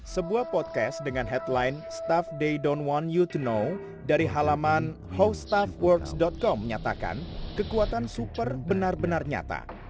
sebuah podcast dengan headline staff they don't want you to know dari halaman howstaffworks com nyatakan kekuatan super benar benar nyata